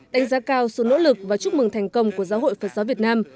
đánh giá cao sự nỗ lực và chúc mừng thành công của giáo hội phật giáo việt nam